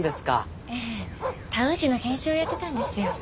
ええタウン誌の編集をやってたんですよ